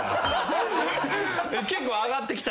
結構あがってきた。